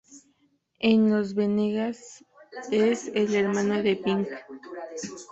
En Los Venegas, es el hermano de Pink.